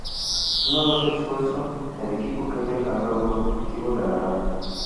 Una vez hecho eso el equipo que haya alcanzado los objetivos ganará.